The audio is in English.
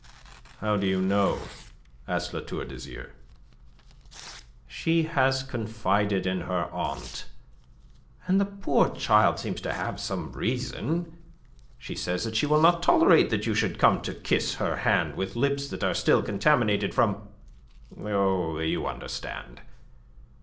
"How do you know?" asked La Tour d'Azyr. "She has confided in her aunt. And the poor child seems to have some reason. She says she will not tolerate that you should come to kiss her hand with lips that are still contaminated from... Oh, you understand.